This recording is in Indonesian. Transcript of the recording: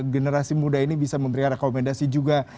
generasi muda ini bisa memberikan rekomendasi juga